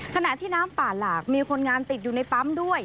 ขณะที่น้ำป่าหลากมีคนงานติดอยู่ในปั๊มด้วย